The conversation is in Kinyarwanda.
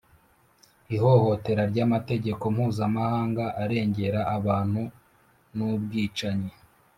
ihohotera ry'amategeko mpuzamahanga arengera abantu n'ubwicanyi